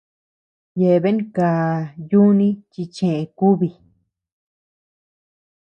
Yeabean ká yuni chi chë kúbi.